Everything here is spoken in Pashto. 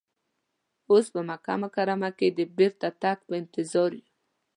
اوس په مکه مکرمه کې د بیرته تګ په انتظار یو.